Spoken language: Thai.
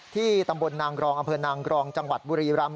ตำบลนางรองอำเภอนางกรองจังหวัดบุรีรำ